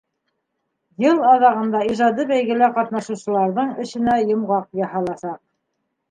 Йыл аҙағында ижади бәйгелә ҡатнашыусыларҙың эшенә йомғаҡ яһаласаҡ.